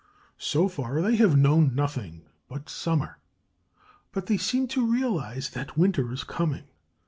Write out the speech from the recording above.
So far, they have known nothing but summer; but they seem to realize that winter is coming.